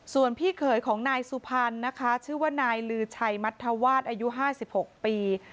ส่วนพี่เขยในสุพรรณชื่อนายหลือชัยมัตรวาตอายุ๕๖ปี